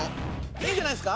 いいんじゃないですか？